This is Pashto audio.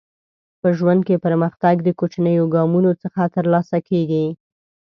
په ژوند کې پرمختګ د کوچنیو ګامونو څخه ترلاسه کیږي.